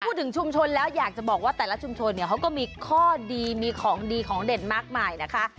พูดถึงชุมชนแล้วอยากจะบอกว่าแต่ละชุมชนเนี่ยเขาก็มีข้อดีมีของดีของเด่นมากมายนะคะ